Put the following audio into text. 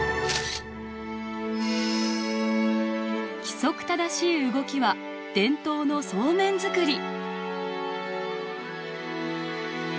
規則正しい動きは伝統のそうめん作り。